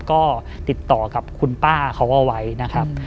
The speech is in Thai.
ก็ติดต่อกับคุณป้าเขาเอาไว้นะครับ